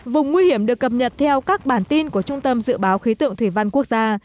vùng nguy hiểm được cập nhật theo các bản tin của trung tâm dự báo khí tượng thủy văn quốc gia